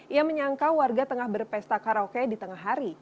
ia menyangka warga tengah berpesta karaoke di tengah hari